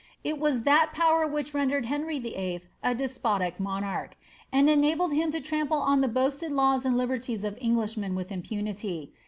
It was that power which rendered Henry Vlll. a despotic monarch, and enabled him to trample on tlie boasted laws and liberties of Englishmen with iaipiinity.